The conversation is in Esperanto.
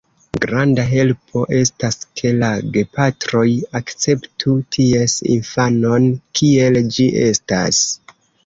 Granda helpo estas, ke la gepatroj akceptu ties infanon, kiel ĝi estas.